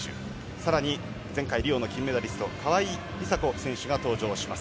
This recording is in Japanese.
さらに前回リオの金メダリスト、川井梨紗子選手が登場します。